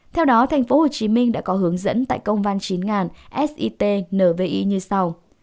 theo đó tp hcm đã có hướng dẫn tại công van chín nghìn sit nvi như sau